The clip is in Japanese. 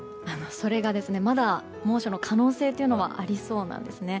それが、まだ猛暑の可能性というのはありそうなんです。